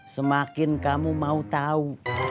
semakin kamu mau tahu